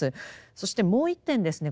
そしてもう一点ですね